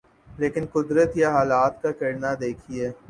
لیکن قدرت یا حالات کا کرنا دیکھیے۔